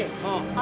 あ！